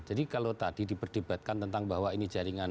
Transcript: jadi kalau tadi diperdebatkan tentang bahwa ini jaringan